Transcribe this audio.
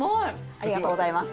ありがとうございます。